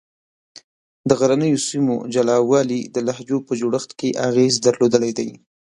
د غرنیو سیمو جلا والي د لهجو په جوړښت کې اغېز درلودلی دی.